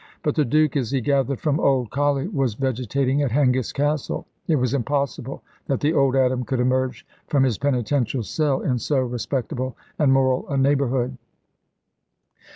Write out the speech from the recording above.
But the Duke, as he gathered from old Colley, was vegetating at Hengist Castle. It was impossible that the Old Adam could emerge from his penitential cell in so respectable and moral a neighbourhood.